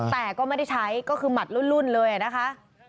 แต่ก็ไม่ได้ใช้ก็คือหมัดรุ่นเลยนะคะ